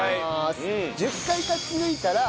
１０回勝ち抜いたら『